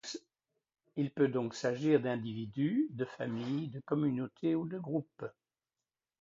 Il peut donc s'agir d'individus, de familles, de communautés ou de groupes.